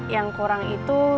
yang kurang itu